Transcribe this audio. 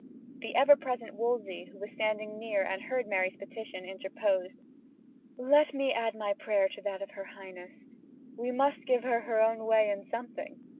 The ever present Wolsey, who was standing near and heard Mary's petition, interposed: "Let me add my prayer to that of her highness. We must give her her own way in something."